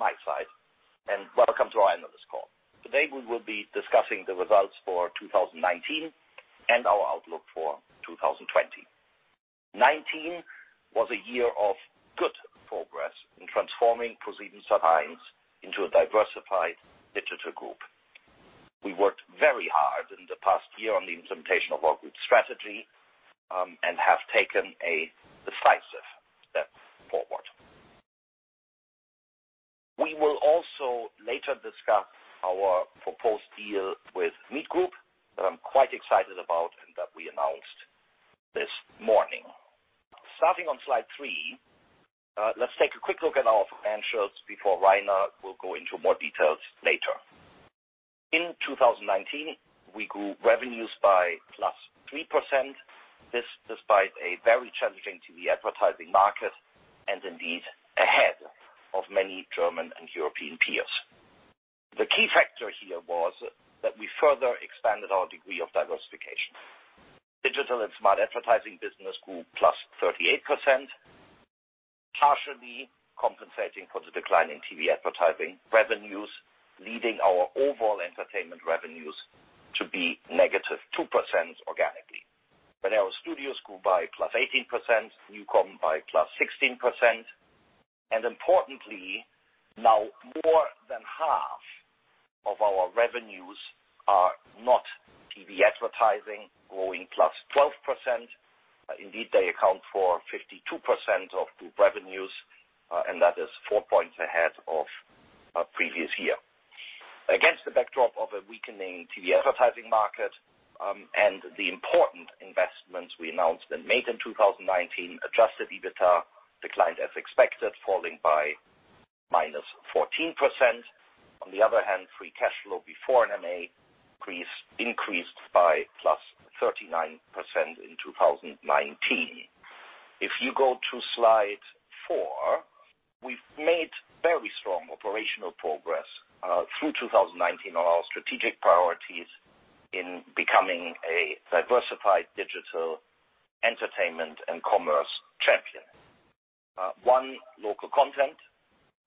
Morning also from my side, welcome to our analyst call. Today, we will be discussing the results for 2019 and our outlook for 2020. 2019 was a year of good progress in transforming ProSiebenSat.1 into a diversified digital group. We worked very hard in the past year on the implementation of our group strategy, and have taken a decisive step forward. We will also later discuss our proposed deal with Meet Group that I'm quite excited about, and that we announced this morning. Starting on Slide three, let's take a quick look at our financials before Rainer will go into more details later. In 2019, we grew revenues by +3%. This despite a very challenging TV advertising market and indeed ahead of many German and European peers. The key factor here was that we further expanded our degree of diversification. Digital and smart advertising business grew +38%, partially compensating for the decline in TV advertising revenues, leading our overall entertainment revenues to be -2% organically. Red Arrow Studios grew by +18%, NuCom by +16%. Importantly, now more than half of our revenues are not TV advertising, growing +12%. Indeed, they account for 52% of group revenues, that is four points ahead of previous year. Against the backdrop of a weakening TV advertising market, and the important investments we announced and made in 2019, adjusted EBITDA declined as expected, falling by -14%. On the other hand, free cash flow before M&A increased by +39% in 2019. If you go to Slide four, we've made very strong operational progress, through 2019 on our strategic priorities in becoming a diversified digital entertainment and commerce champion. One, local content.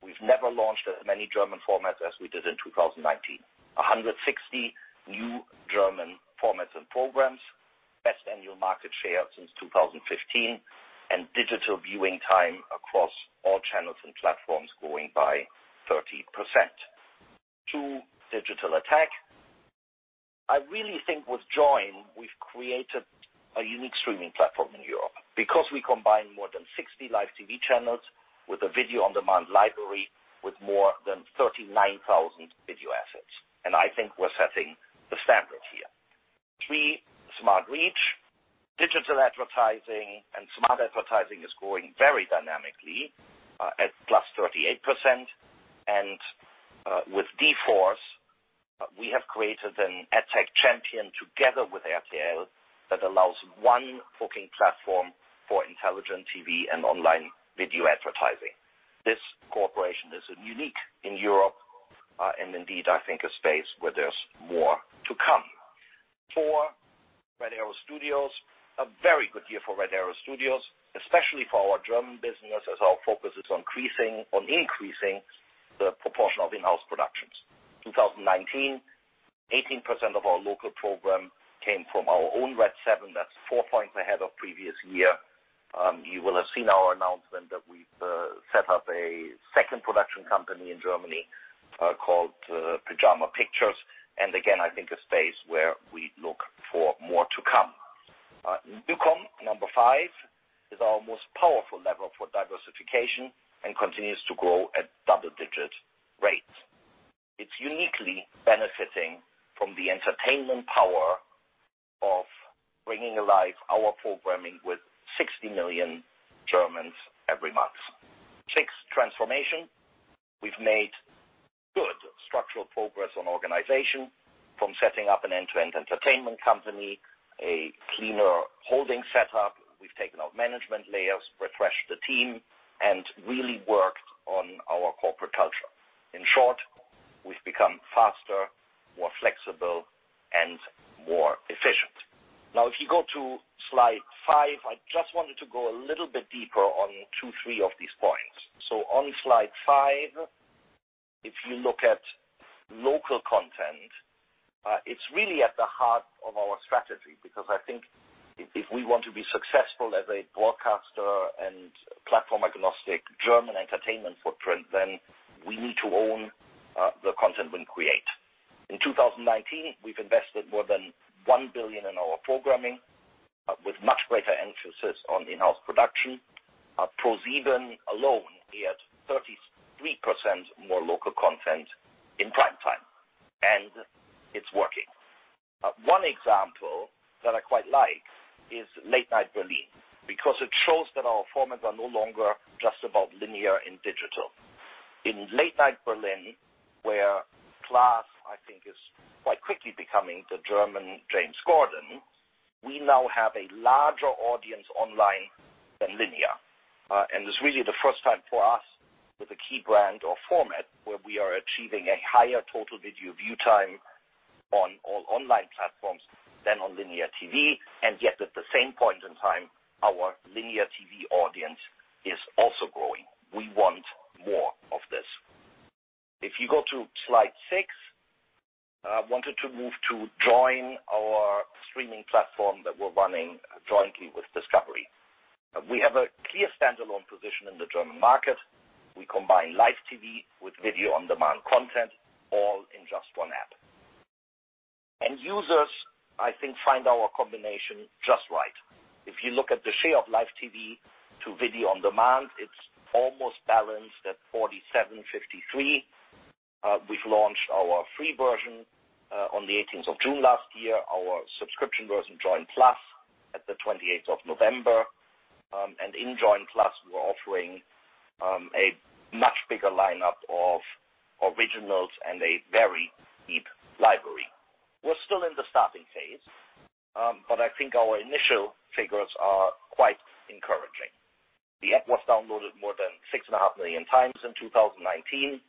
We've never launched as many German formats as we did in 2019. 160 new German formats and programs. Best annual market share since 2015, digital viewing time across all channels and platforms growing by 30%. Two, digital attack. I really think with Joyn, we've created a unique streaming platform in Europe, because we combine more than 60 live TV channels with a video-on-demand library with more than 39,000 video assets. I think we're setting the standard here. Three, smart reach. Digital advertising and smart advertising is growing very dynamically, at +38%. With d-force, we have created an AdTech champion together with RTL that allows one booking platform for intelligent TV and online video advertising. This cooperation is unique in Europe, and indeed, I think a space where there's more to come. Four, Red Arrow Studios. A very good year for Red Arrow Studios, especially for our German business as our focus is on increasing the proportion of in-house productions. 2019, 18% of our local program came from our own Redseven. That's four points ahead of previous year. You will have seen our announcement that we've set up a second production company in Germany, called Pyjama Pictures. Again, I think a space where we look for more to come. NuCom, number five, is our most powerful lever for diversification and continues to grow at double-digit rates. It's uniquely benefiting from the entertainment power of bringing alive our programming with 60 million Germans every month. Six, transformation. We've made good structural progress on organization from setting up an end-to-end entertainment company, a cleaner holding setup. We've taken out management layers, refreshed the team, and really worked on our corporate culture. In short, we've become faster, more flexible, and more efficient. If you go to Slide five, I just wanted to go a little bit deeper on two, three of these points. On Slide five, if you look at local content, it's really at the heart of our strategy because I think if we want to be successful as a broadcaster and platform-agnostic German entertainment footprint, then we need to own the content we create. In 2019, we've invested more than 1 billion in our programming, with much greater emphasis on in-house production. ProSieben alone had 33% more local content in prime time, it's working. One example that I quite like is Late Night Berlin, because it shows that our formats are no longer just about linear and digital. In Late Night Berlin, where Klaas, I think, is quite quickly becoming the German James Corden, we now have a larger audience online than linear. It's really the first time for us with a key brand or format where we are achieving a higher total video view time on all online platforms than on linear TV. Yet at the same point in time, our linear TV audience is also growing. We want more of this. If you go to Slide six, I wanted to move to Joyn, our streaming platform that we're running jointly with Discovery. We have a clear standalone position in the German market. We combine live TV with video-on-demand content, all in just one app. Users, I think, find our combination just right. If you look at the share of live TV to video-on-demand, it's almost balanced at 47/53. We've launched our free version on the 18th of June last year, our subscription version, Joyn PLUS+, at the 28th of November. In Joyn PLUS+, we're offering a much bigger lineup of originals and a very deep library. We're still in the starting phase, but I think our initial figures are quite encouraging. The app was downloaded more than 6.5 million times in 2019.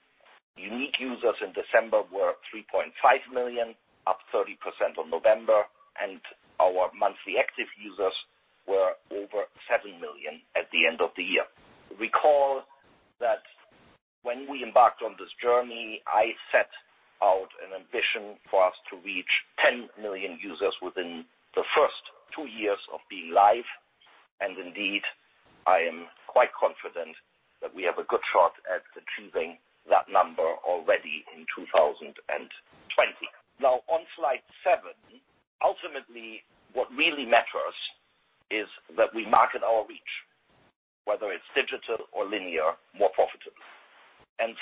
Unique users in December were 3.5 million, up 30% on November, and our monthly active users were over 7 million at the end of the year. Recall that when we embarked on this journey, I set out an ambition for us to reach 10 million users within the first two years of being live. Indeed, I am quite confident that we have a good shot at achieving that number already in 2020. On Slide seven, ultimately, what really matters is that we market our reach, whether it's digital or linear, more profitably.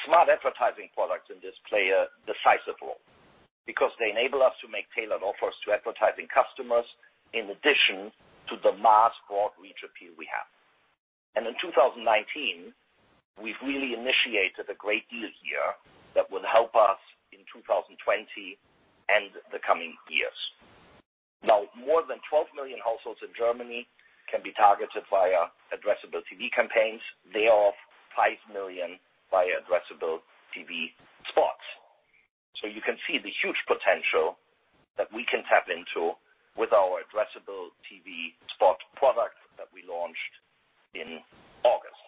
Smart advertising products in this play a decisive role because they enable us to make tailored offers to advertising customers in addition to the mass broad reach appeal we have. In 2019, we've really initiated a great deal here that will help us in 2020 and the coming years. More than 12 million households in Germany can be targeted via addressable TV campaigns, thereof, 5 million via addressable TV spots. You can see the huge potential that we can tap into with our addressable TV spot product that we launched in August.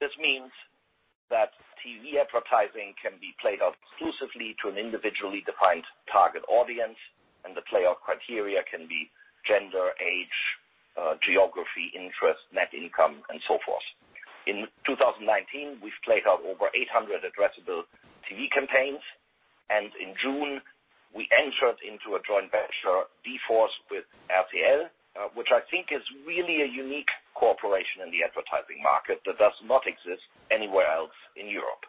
This means that TV advertising can be played out exclusively to an individually defined target audience, and the playout criteria can be gender, age, geography, interest, net income, and so forth. In 2019, we've played out over 800 addressable TV campaigns, and in June, we entered into a joint venture, d-force, with RTL, which I think is really a unique cooperation in the advertising market that does not exist anywhere else in Europe.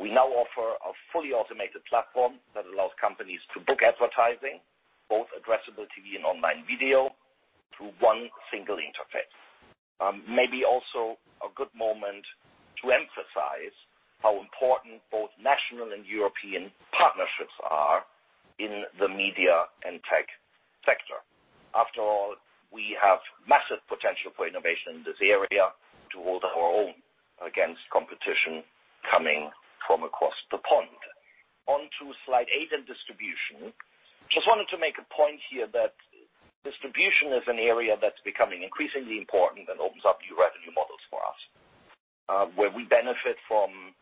We now offer a fully automated platform that allows companies to book advertising, both addressable TV and online video, through one single interface. Maybe also a good moment to emphasize how important both national and European partnerships are in the media and tech sector. After all, we have massive potential for innovation in this area to hold our own against competition coming from across the pond. On to Slide eight and distribution. Just wanted to make a point here that distribution is an area that's becoming increasingly important and opens up new revenue models for us, where we benefit from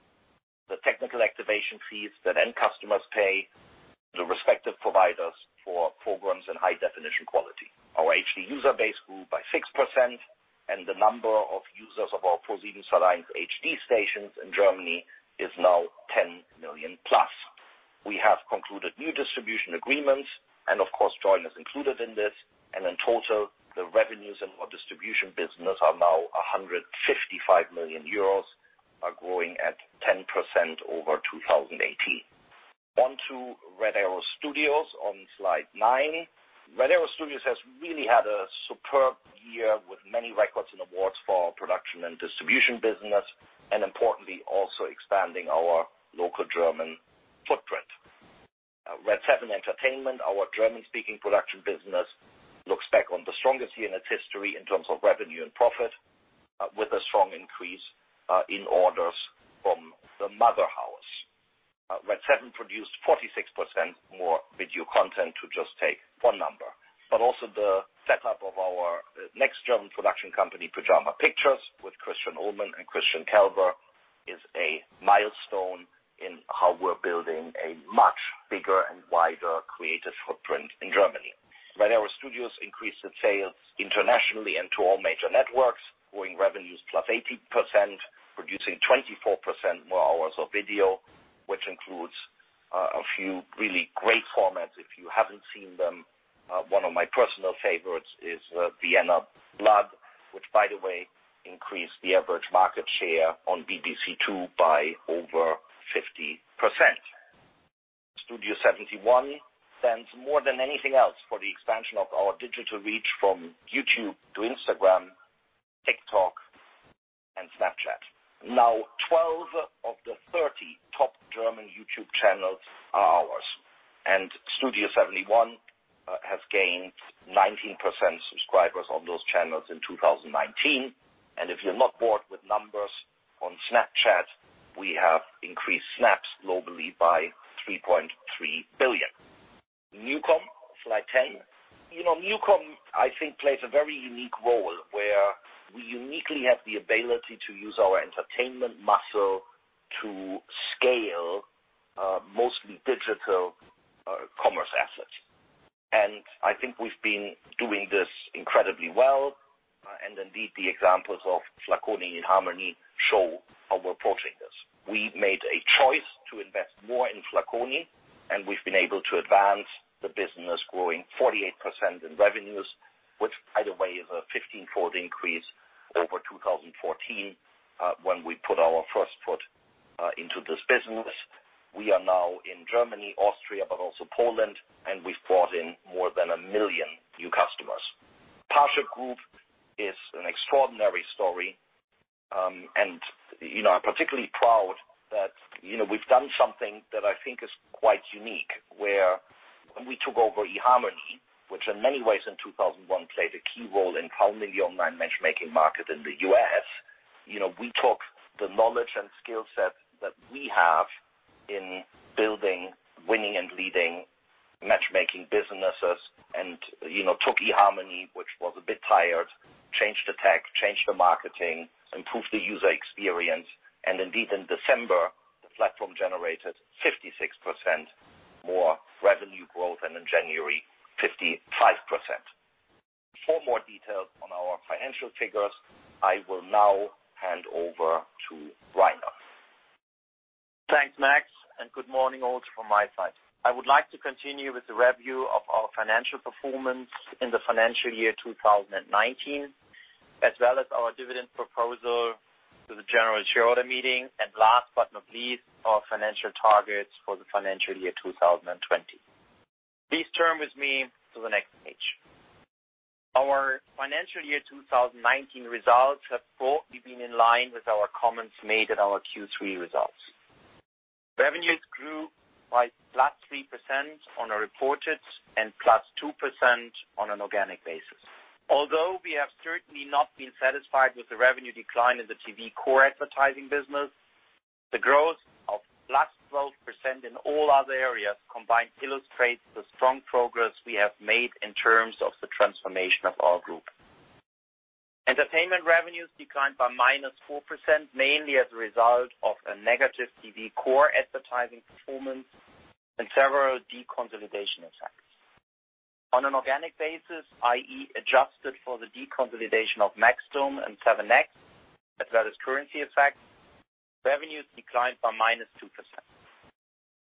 the technical activation fees that end customers pay the respective providers for programs and high definition quality. Our HD user base grew by 6%, and the number of users of our ProSiebenSat.1 HD stations in Germany is now 10 million+. We have concluded new distribution agreements, of course, Joyn is included in this, in total, the revenues in our distribution business are now 155 million euros, are growing at 10% over 2018. On to Red Arrow Studios on Slide nine. Red Arrow Studios has really had a superb year with many records and awards for our production and distribution business, importantly, also expanding our local German footprint. Redseven Entertainment, our German-speaking production business, looks back on the strongest year in its history in terms of revenue and profit, with a strong increase in orders from the mother house. Redseven produced 46% more video content, to just take one number. Also the setup of our next German production company, Pyjama Pictures, with Christian Ulmen and Carsten Kelber, is a milestone in how we're building a much bigger and wider creative footprint in Germany. Red Arrow Studios increased its sales internationally and to all major networks, growing revenues +80%, producing 24% more hours of video, which includes a few really great formats, if you haven't seen them. One of my personal favorites is Vienna Blood which, by the way, increased the average market share on BBC Two by over 50%. Studio71 stands more than anything else for the expansion of our digital reach from YouTube to Instagram, TikTok, and Snapchat. 12 of the 30 top German YouTube channels are ours, Studio71 has gained 19% subscribers on those channels in 2019. If you're not bored with numbers, on Snapchat, we have increased snaps globally by 3.3 billion. NuCom, Slide 10. NuCom, I think plays a very unique role where we uniquely have the ability to use our entertainment muscle to scale mostly digital commerce assets. I think we've been doing this incredibly well. Indeed, the examples of Flaconi and eHarmony show how we're approaching this. We've made a choice to invest more in Flaconi, and we've been able to advance the business, growing 48% in revenues, which by the way, is a 15-fold increase over 2014 when we put our first foot into this business. We are now in Germany, Austria, but also Poland, and we've brought in more than 1 million new customers. Parship Group is an extraordinary story, and I'm particularly proud that we've done something that I think is quite unique, where when we took over eHarmony, which in many ways in 2001 played a key role in founding the online matchmaking market in the U.S. We took the knowledge and skill set that we have in building, winning, and leading matchmaking businesses and took eHarmony, which was a bit tired, changed the tech, changed the marketing, improved the user experience, and indeed, in December, the platform generated 56% more revenue growth and in January, 55%. For more details on our financial figures, I will now hand over to Rainer. Thanks, Max. Good morning also from my side. I would like to continue with the review of our financial performance in the financial year 2019, as well as our dividend proposal to the general shareholder meeting, last but not least, our financial targets for the financial year 2020. Please turn with me to the next page. Our financial year 2019 results have broadly been in line with our comments made at our Q3 results. Revenues grew by +3% on a reported and +2% on an organic basis. Although we have certainly not been satisfied with the revenue decline in the TV core advertising business, the growth of +12% in all other areas combined illustrates the strong progress we have made in terms of the transformation of our group. Entertainment revenues declined by -4%, mainly as a result of a negative TV core advertising performance and several deconsolidation effects. On an organic basis, i.e., adjusted for the deconsolidation of maxdome and 7NXT, as well as currency effects, revenues declined by -2%.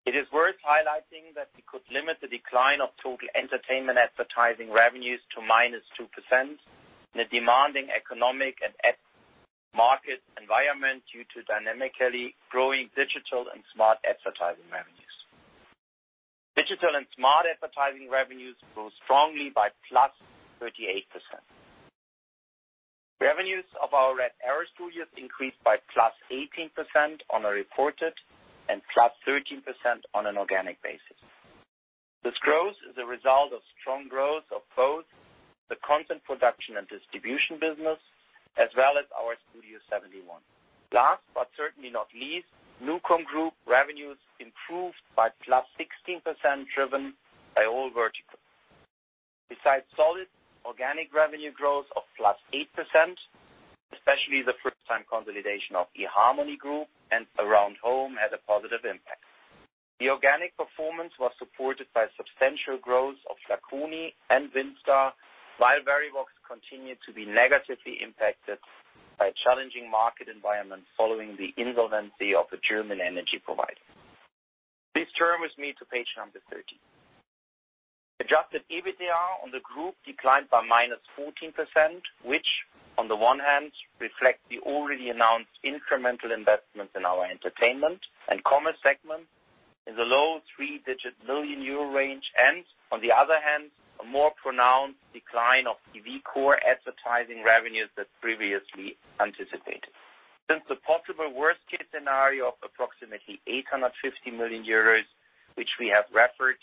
It is worth highlighting that we could limit the decline of total entertainment advertising revenues to -2% in a demanding economic and ad market environment due to dynamically growing digital and smart advertising revenues. Digital and smart advertising revenues grew strongly by +38%. Revenues of our Red Arrow Studios increased by +18% on a reported and +13% on an organic basis. This growth is a result of strong growth of both the content production and distribution business as well as our Studio71. Last, but certainly not least, NuCom Group revenues improved by +16%, driven by all verticals. Besides solid organic revenue growth of +8%, especially the first-time consolidation of eHarmony Group and Aroundhome had a positive impact. The organic performance was supported by substantial growth of Flaconi and WindStar, while Verivox continued to be negatively impacted by a challenging market environment following the insolvency of the German energy provider. Please turn with me to Page number 13. Adjusted EBITDA on the Group declined by -14%, which on the one hand reflects the already announced incremental investment in our entertainment and commerce segment in the low three-digit million EUR range, and on the other hand, a more pronounced decline of TV core advertising revenues than previously anticipated. Since the possible worst-case scenario of approximately 850 million euros, which we have referred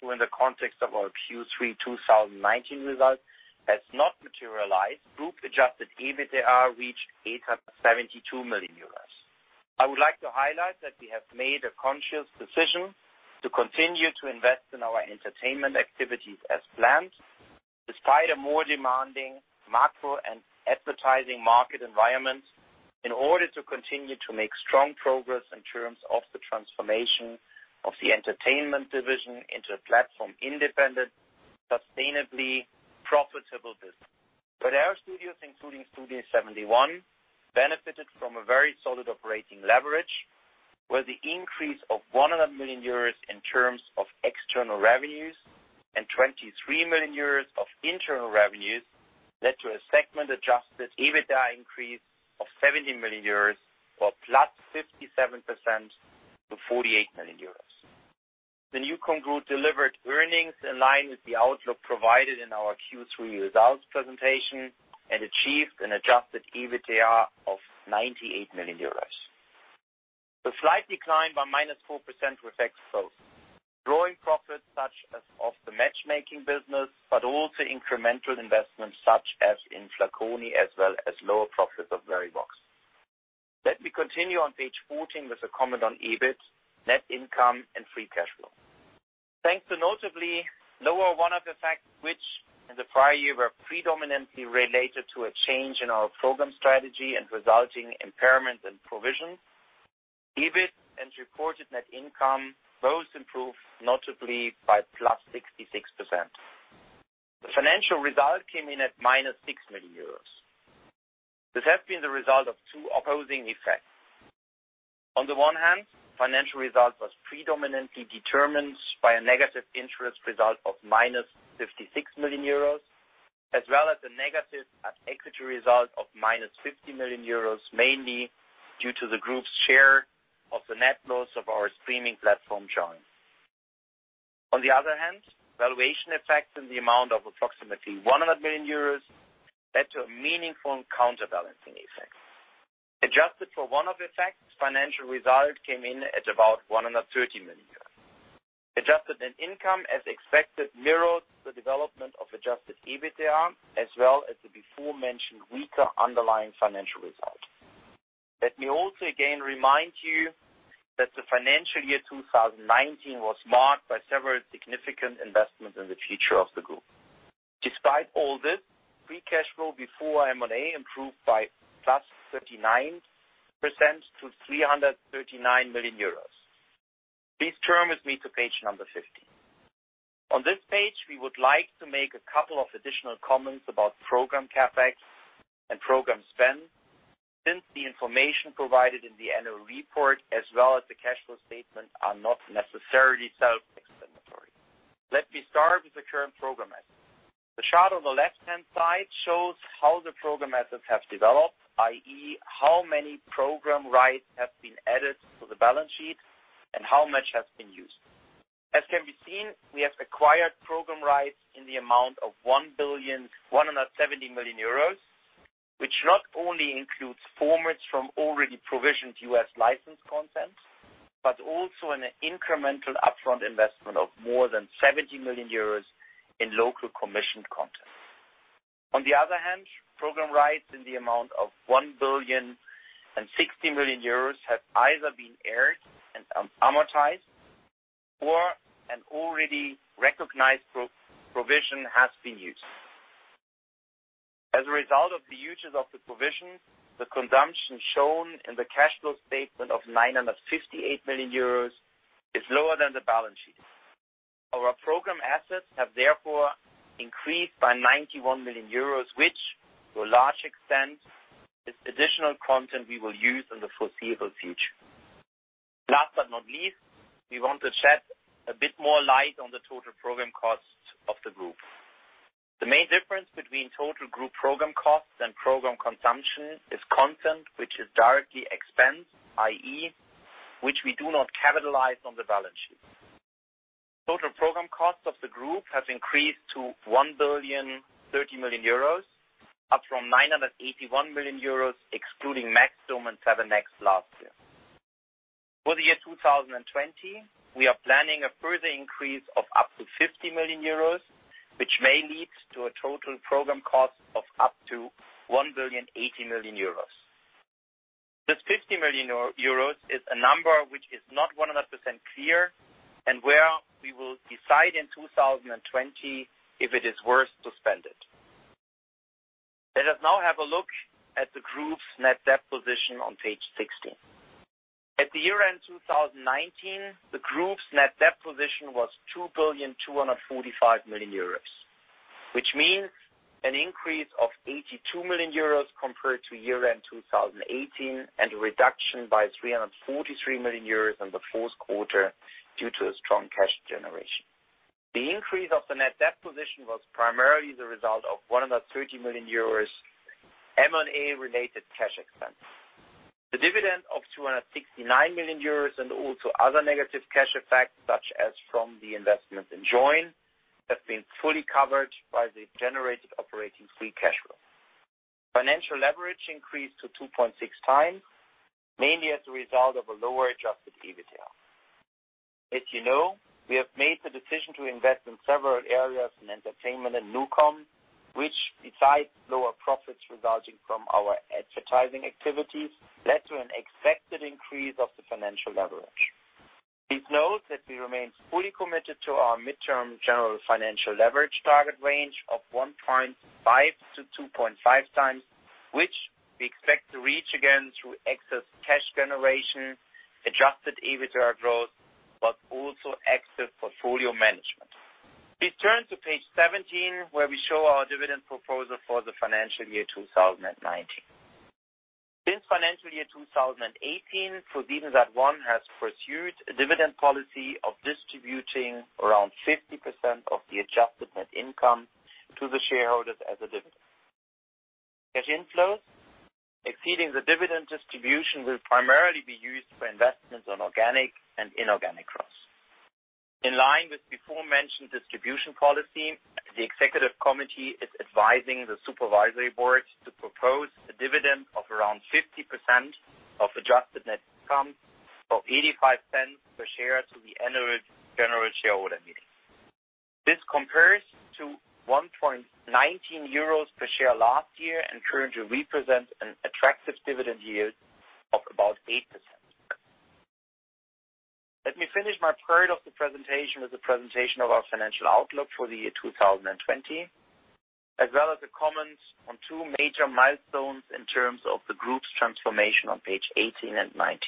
to in the context of our Q3 2019 results, has not materialized, Group adjusted EBITDA reached 872 million euros. I would like to highlight that we have made a conscious decision to continue to invest in our entertainment activities as planned, despite a more demanding macro and advertising market environment, in order to continue to make strong progress in terms of the transformation of the entertainment division into a platform-independent, sustainably profitable business. Red Arrow Studios, including Studio71, benefited from a very solid operating leverage, where the increase of 100 million euros in terms of external revenues and 23 million euros of internal revenues led to a segment-adjusted EBITDA increase of 70 million euros or +57% to 48 million euros. The NuCom Group delivered earnings in line with the outlook provided in our Q3 results presentation and achieved an adjusted EBITDA of 98 million euros. The slight decline by -4% reflects bothDrawing profits such as of the matchmaking business, but also incremental investments such as in Flaconi as well as lower profits of Verivox. Let me continue on Page 14 with a comment on EBIT, net income and free cash flow. Thanks to notably lower one-off effects, which in the prior year were predominantly related to a change in our program strategy and resulting impairment and provisions. EBIT and reported net income both improved notably by +66%. The financial result came in at -6 million euros. This has been the result of two opposing effects. On the one hand, financial result was predominantly determined by a negative interest result of -56 million euros, as well as a negative at equity result of -50 million euros, mainly due to the group's share of the net loss of our streaming platform, Joyn. On the other hand, valuation effects in the amount of approximately 100 million euros led to a meaningful counterbalancing effect. Adjusted for one-off effects, financial result came in at about 130 million. Adjusted net income, as expected, mirrors the development of adjusted EBITDA, as well as the before-mentioned weaker underlying financial result. Let me also again remind you that the financial year 2019 was marked by several significant investments in the future of the group. Despite all this, free cash flow before M&A improved by +39% to 339 million euros. Please turn with me to Page number 15. On this page, we would like to make a couple of additional comments about program CapEx and program spend, since the information provided in the annual report as well as the cash flow statement are not necessarily self-explanatory. Let me start with the current program assets. The chart on the left-hand side shows how the program assets have developed, i.e. how many program rights have been added to the balance sheet and how much has been used. As can be seen, we have acquired program rights in the amount of 1,170,000,000 euros, which not only includes formats from already provisioned U.S. licensed content, but also an incremental upfront investment of more than 70 million euros in local commissioned content. On the other hand, program rights in the amount of 1,060,000,000 euros have either been aired and amortized or an already recognized provision has been used. As a result of the usage of the provisions, the consumption shown in the cash flow statement of 958 million euros is lower than the balance sheet. Our program assets have therefore increased by 91 million euros, which to a large extent is additional content we will use in the foreseeable future. Last but not least, we want to shed a bit more light on the total program costs of the group. The main difference between total group program costs and program consumption is content which is directly expensed, i.e. which we do not capitalize on the balance sheet. Total program costs of the group have increased to 1.03 billion, up from 981 million euros, excluding maxdome and 7NXT last year. For the year 2020, we are planning a further increase of up to 50 million euros, which may lead to a total program cost of up to 1.08 billion. This 50 million euros is a number which is not 100% clear, and where we will decide in 2020 if it is worth to spend it. Let us now have a look at the group's net debt position on Page 16. At the year-end 2019, the group's net debt position was 2,245 million euros, which means an increase of 82 million euros compared to year-end 2018, and a reduction by 343 million euros in the fourth quarter due to a strong cash generation. The increase of the net debt position was primarily the result of 130 million euros M&A related cash expense. The dividend of 269 million euros and also other negative cash effects, such as from the investment in Joyn, have been fully covered by the generated operating free cash flow. Financial leverage increased to 2.6x, mainly as a result of a lower adjusted EBITDA. As you know, we have made the decision to invest in several areas in entertainment and NuCom, which, besides lower profits resulting from our advertising activities, led to an expected increase of the financial leverage. Please note that we remain fully committed to our midterm general financial leverage target range of 1.5x-2.5x, which we expect to reach again through excess cash generation, adjusted EBITDA growth, but also excess portfolio management. Please turn to Page 17 where we show our dividend proposal for the financial year 2019. Since financial year 2018, ProSiebenSat.1 has pursued a dividend policy of distributing around 50% of the adjusted net income to the shareholders as a dividend. Cash inflows exceeding the dividend distribution will primarily be used for investments on organic and inorganic growth. In line with before-mentioned distribution policy, the executive committee is advising the supervisory board to propose a dividend of around 50% of adjusted net income of 0.85 per share to the annual general shareholder. This compares to 1.19 euros per share last year and currently represents an attractive dividend yield of about 8%. Let me finish my part of the presentation with the presentation of our financial outlook for the year 2020, as well as the comments on two major milestones in terms of the group's transformation on Page 18 and 19.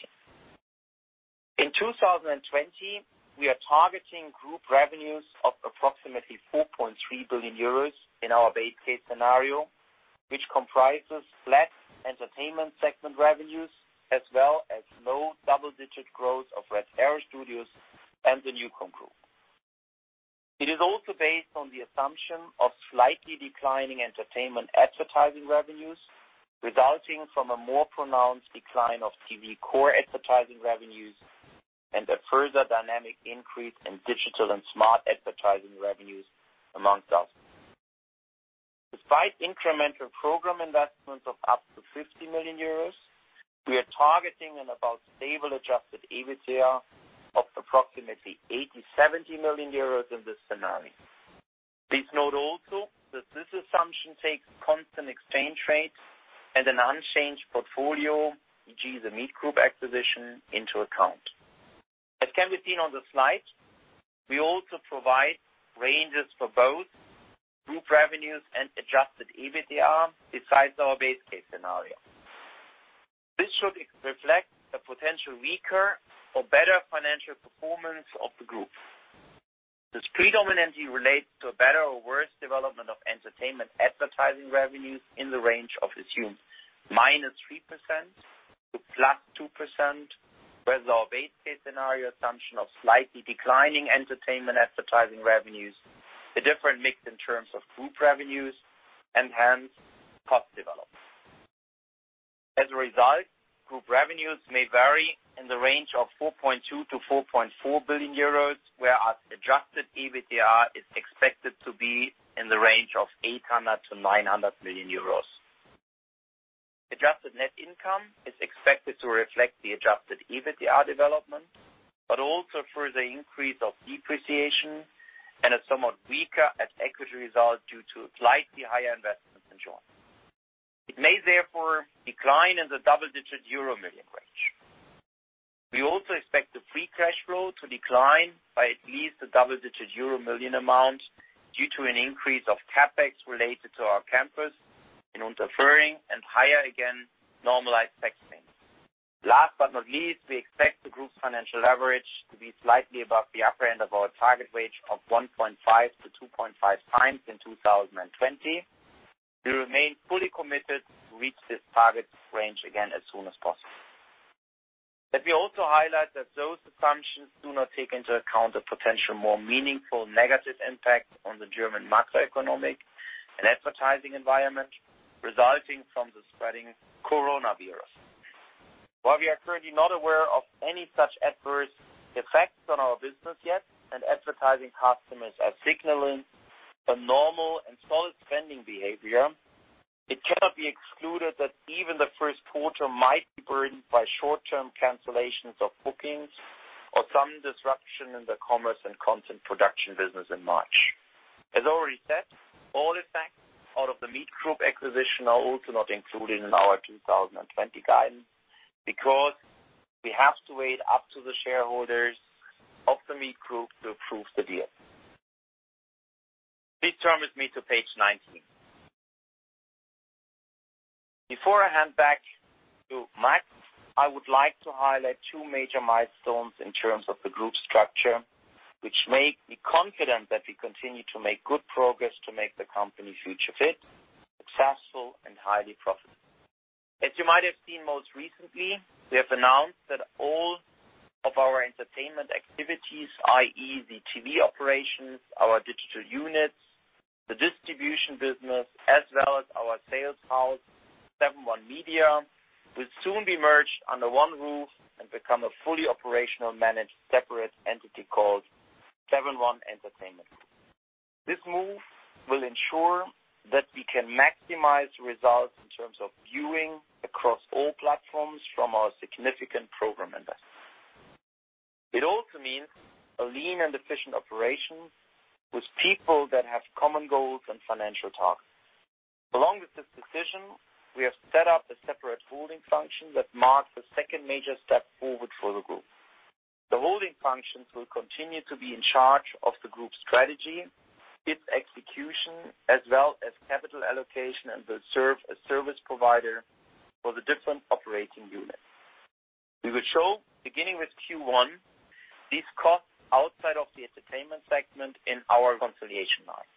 In 2020, we are targeting group revenues of approximately 4.3 billion euros in our base case scenario, which comprises flat entertainment segment revenues as well as low double-digit growth of Red Arrow Studios and the NuCom Group. It is also based on the assumption of slightly declining entertainment advertising revenues, resulting from a more pronounced decline of TV core advertising revenues and a further dynamic increase in digital and smart advertising revenues amongst others. Despite incremental program investments of up to 50 million euros, we are targeting an about stable adjusted EBITDA of approximately 870 million euros in this scenario. Please note also that this assumption takes constant exchange rates and an unchanged portfolio, e.g., the Meet Group acquisition into account. As can be seen on the slide, we also provide ranges for both group revenues and adjusted EBITDA besides our base case scenario. This should reflect the potential weaker or better financial performance of the group. This predominantly relates to a better or worse development of entertainment advertising revenues in the range of assumed -3% to +2%, whereas our base case scenario assumption of slightly declining entertainment advertising revenues, the different mix in terms of group revenues and hence cost development. As a result, group revenues may vary in the range of 4.2 billion-4.4 billion euros, whereas adjusted EBITDA is expected to be in the range of 800 million-900 million euros. Adjusted net income is expected to reflect the adjusted EBITDA development, but also further increase of depreciation and a somewhat weaker at equity result due to slightly higher investments in. It may therefore decline in the double-digit euro million range. We also expect the free cash flow to decline by at least a double-digit euro million amount due to an increase of CapEx related to our campus in Unterföhring and higher again normalized tax payments. Last but not least, we expect the group's financial leverage to be slightly above the upper end of our target range of 1.5x-2.5x in 2020. We remain fully committed to reach this target range again as soon as possible. Let me also highlight that those assumptions do not take into account the potential more meaningful negative impact on the German macroeconomic and advertising environment resulting from the spreading coronavirus. While we are currently not aware of any such adverse effects on our business yet and advertising customers are signaling a normal and solid spending behavior, it cannot be excluded that even the first quarter might be burdened by short-term cancellations of bookings or some disruption in the commerce and content production business in March. As already said, all effects out of The Meet Group acquisition are also not included in our 2020 guidance because we have to wait up to the shareholders of The Meet Group to approve the deal. Please turn with me to Page 19. Before I hand back to Max, I would like to highlight two major milestones in terms of the group structure, which make me confident that we continue to make good progress to make the company future fit, successful, and highly profitable. As you might have seen most recently, we have announced that all of our entertainment activities, i.e., the TV operations, our digital units, the distribution business, as well as our sales house, Seven.One Media, will soon be merged under one roof and become a fully operational managed separate entity called Seven.One Entertainment. This move will ensure that we can maximize results in terms of viewing across all platforms from our significant program investment. It also means a lean and efficient operation with people that have common goals and financial targets. Along with this decision, we have set up a separate holding function that marks the second major step forward for the group. The holding functions will continue to be in charge of the group's strategy, its execution, as well as capital allocation, and will serve as service provider for the different operating units. We will show, beginning with Q1, these costs outside of the entertainment segment in our reconciliation line.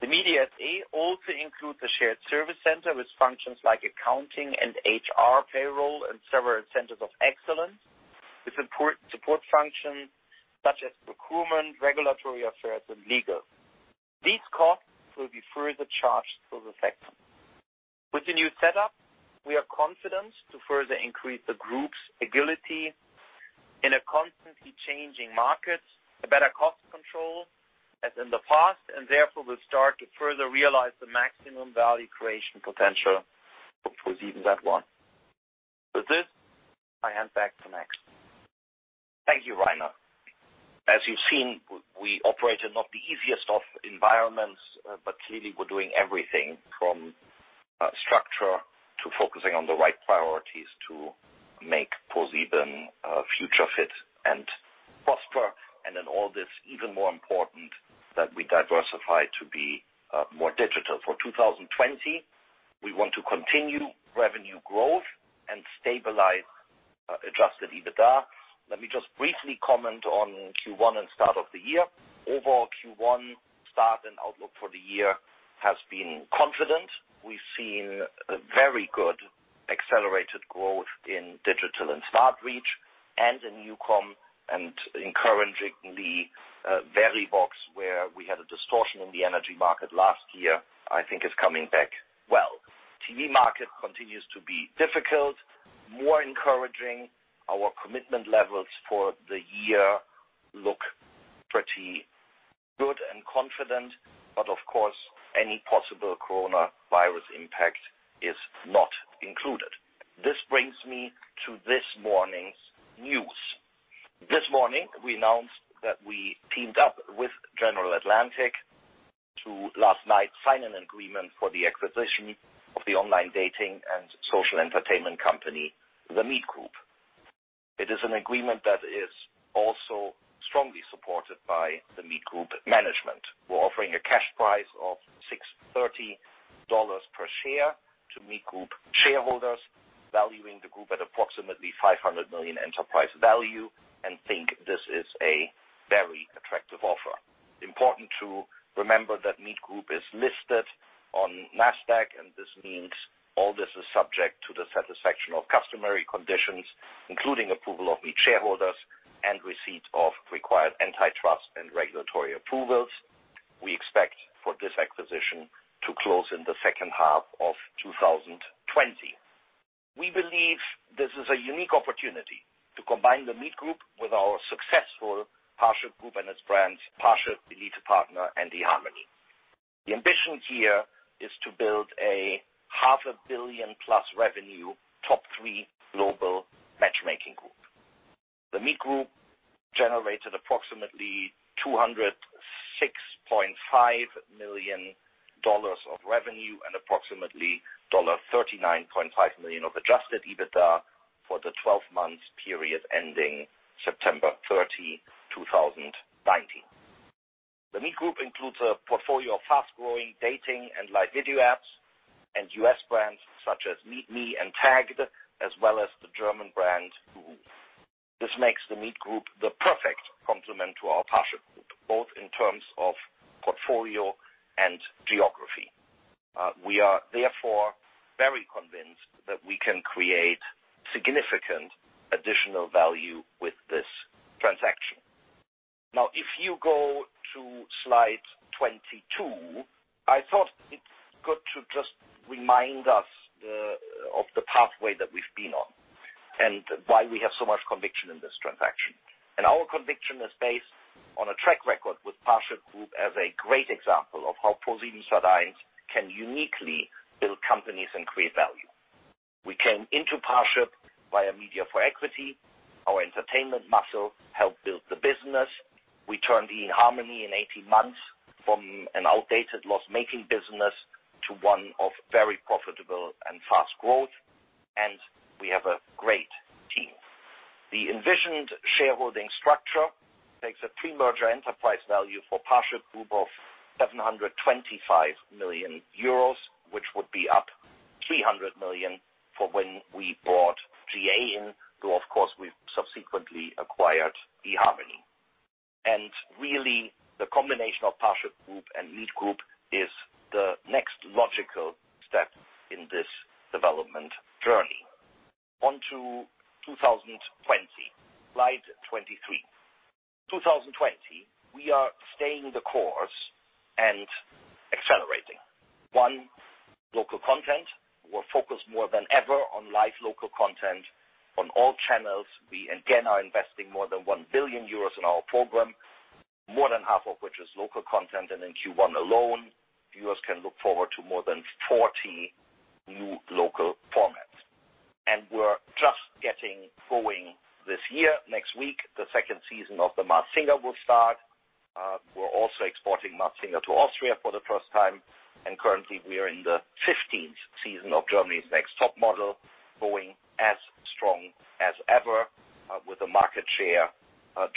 The Media SE also includes a shared service center with functions like accounting and HR payroll, and several centers of excellence with important support functions such as recruitment, regulatory affairs, and legal. These costs will be further charged to the sector. With the new setup, we are confident to further increase the group's agility in a constantly changing market, a better cost control as in the past, and therefore will start to further realize the maximum value creation potential of ProSiebenSat.1. Thank you, Rainer. As you've seen, we operate in not the easiest of environments, but clearly we're doing everything from structure to focusing on the right priorities to make ProSieben future fit and prosper. In all this, even more important that we diversify to be more digital. For 2020, we want to continue revenue growth and stabilize adjusted EBITDA. Let me just briefly comment on Q1 and start of the year. Overall, Q1 start and outlook for the year has been confident. We've seen very good accelerated growth in digital and reach, and in NuCom, and encouragingly, Verivox, where we had a distortion in the energy market last year, I think is coming back well. TV market continues to be difficult. More encouraging, our commitment levels for the year look pretty good and confident. Of course, any possible coronavirus impact is not included. This brings me to this morning's news. This morning, we announced that we teamed up with General Atlantic to, last night, sign an agreement for the acquisition of the online dating and social entertainment company, The Meet Group. It is an agreement that is also strongly supported by The Meet Group management. We're offering a cash price of $630 per share to Meet Group shareholders, valuing the group at approximately $500 million enterprise value, and think this is a very attractive offer. Important to remember that Meet Group is listed on NASDAQ, and this means all this is subject to the satisfaction of customary conditions, including approval of Meet shareholders and receipt of required antitrust and regulatory approvals. We expect for this acquisition to close in the second half of 2020. We believe this is a unique opportunity to combine The Meet Group with our successful Parship Group and its brands, Parship, ElitePartner, and eHarmony. The ambition here is to build a half a billion-plus revenue, top three global matchmaking group. The Meet Group generated approximately $206.5 million of revenue and approximately $39.5 million of adjusted EBITDA for the 12 months period ending September 30, 2019. The Meet Group includes a portfolio of fast-growing dating and live video apps and U.S. brands such as MeetMe and Tagged, as well as the German brand, Woohoo. This makes The Meet Group the perfect complement to our Parship Group, both in terms of portfolio and geography. We are therefore very convinced that we can create significant additional value with this transaction. Now, if you go to Slide 22, I thought it's good to just remind us of the pathway that we've been on and why we have so much conviction in this transaction. Our conviction is based on a track record with Parship Group as a great example of how ProSiebenSat.1 can uniquely build companies and create value. We came into Parship via Media for Equity. Our entertainment muscle helped build the business. We turned eHarmony in 18 months from an outdated loss-making business to one of very profitable and fast growth, and we have a great team. The envisioned shareholding structure makes a pre-merger enterprise value for Parship Group of 725 million euros, which would be up 300 million for when we brought GA in, though, of course, we've subsequently acquired eHarmony. Really, the combination of Parship Group and Meet Group is the next logical step in this development journey. On to 2020, Slide 23. 2020, we are staying the course and accelerating. One, local content. We're focused more than ever on live local content on all channels. We again are investing more than 1 billion euros in our program, more than half of which is local content. In Q1 alone, viewers can look forward to more than 40 new local formats. We're just getting going this year. Next week, the second season of The Masked Singer will start. We're also exporting The Masked Singer to Austria for the first time, and currently, we are in the 15th season of Germany's Next Topmodel, going as strong as ever with a market share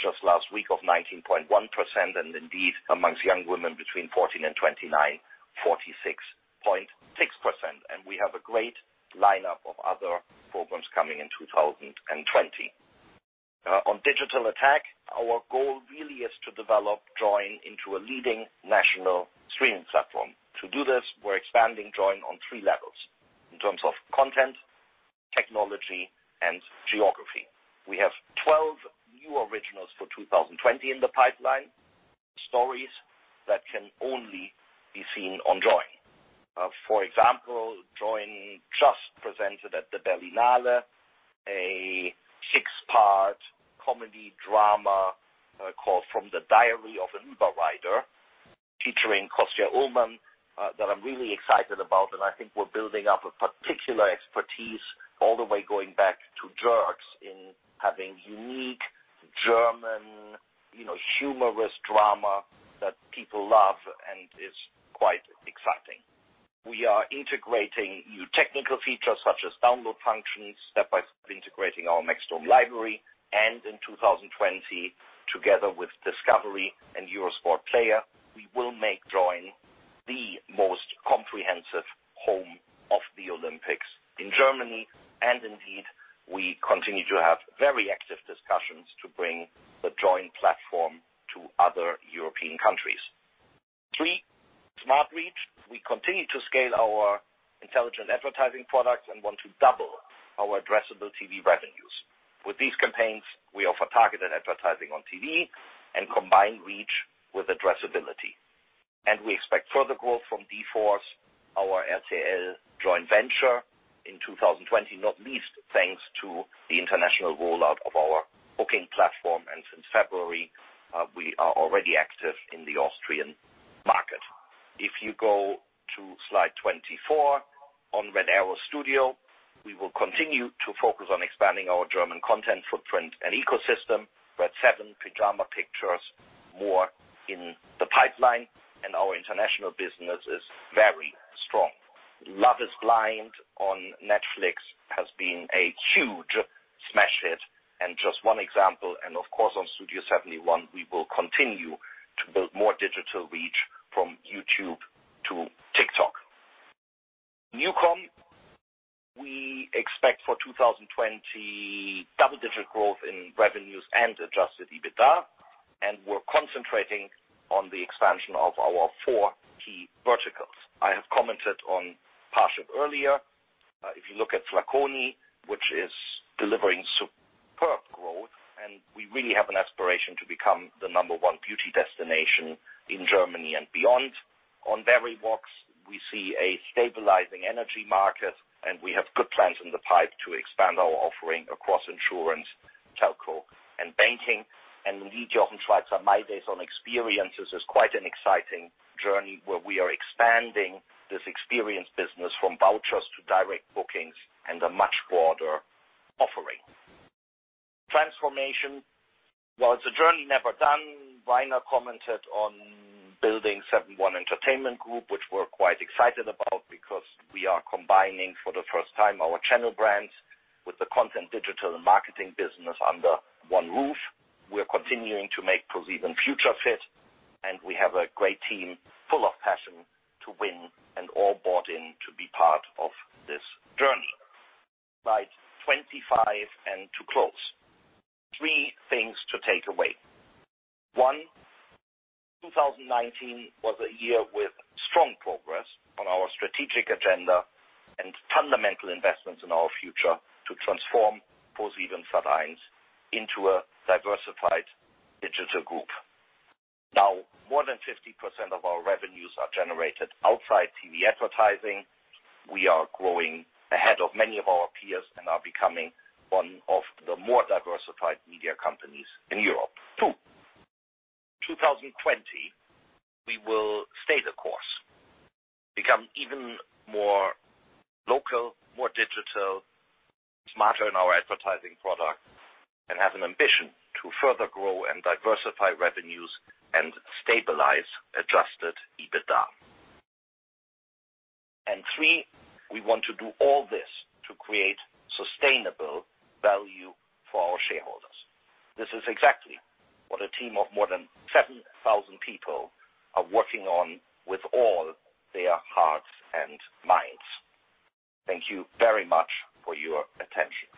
just last week of 19.1%, and indeed, amongst young women between 14 and 29, 46.6%. We have a great lineup of other programs coming in 2020. On digital attack, our goal really is to develop Joyn into a leading national streaming platform. To do this, we're expanding Joyn on three levels: in terms of content, technology, and geography. We have 12 new originals for 2020 in the pipeline, stories that can only be seen on Joyn. For example, Joyn just presented at the Berlinale, a six-part comedy drama called From the Diary of an Uber Driver, featuring Kostja Ullmann, that I'm really excited about. I think we're building up a particular expertise all the way going back to "jerks." in having unique German humorous drama that people love and is quite exciting. We are integrating new technical features such as download functions, step-by-step integrating our maxdome library, and in 2020, together with Discovery and Eurosport Player, we will make Joyn the most comprehensive home of the Olympics in Germany, and indeed, we continue to have very active discussions to bring the Joyn platform to other European countries. Three, Smart Reach. We continue to scale our intelligent advertising products and want to double our addressable TV revenues. With these campaigns, we offer targeted advertising on TV and combine reach with addressability. We expect further growth from d-force, our RTL joint venture, in 2020, not least thanks to the international rollout of our booking platform. Since February, we are already active in the Austrian market. If you go to Slide 24 on Red Arrow Studios, we will continue to focus on expanding our German content footprint and ecosystem. Redseven, Pyjama Pictures, more in the pipeline, and our international business is very strong. Love Is Blind on Netflix has been a huge smash hit, and just one example, and of course, on Studio71, we will continue to build more digital reach from YouTube to TikTok. NuCom, we expect for 2020, double-digit growth in revenues and adjusted EBITDA, and we're concentrating on the expansion of our four key verticals. I have commented on Parship earlier. If you look at Flaconi, which is delivering superb growth, and we really have an aspiration to become the number one beauty destination in Germany and beyond. On Verivox, we see a stabilizing energy market, and we have good plans in the pipe to expand our offering across insurance, telco, and banking. In Die Job- und Reise-Meile, so on experiences, is quite an exciting journey where we are expanding this experience business from vouchers to direct bookings and a much broader offering. Transformation, while it's a journey never done, Rainer commented on building Seven.One Entertainment Group, which we're quite excited about because we are combining for the first time our channel brands with the content digital and marketing business under one roof. We're continuing to make ProSieben future fit, and we have a great team full of passion to win and all bought in to be part of this journey. Slide 25, and to close. Three things to take away. One, 2019 was a year with strong progress on our strategic agenda and fundamental investments in our future to transform ProSiebenSat.1 into a diversified digital group. More than 50% of our revenues are generated outside TV advertising. We are growing ahead of many of our peers and are becoming one of the more diversified media companies in Europe. Two, 2020, we will stay the course, become even more local, more digital, smarter in our advertising product, and have an ambition to further grow and diversify revenues and stabilize adjusted EBITDA. Three, we want to do all this to create sustainable value for our shareholders. This is exactly what a team of more than 7,000 people are working on with all their hearts and minds. Thank you very much for your attention.